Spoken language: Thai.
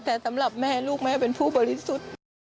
แต่สำหรับแม่ลูกแม่เป็นผู้บริสุทธิ์